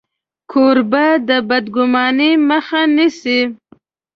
کوربه د بدګمانۍ مخه نیسي.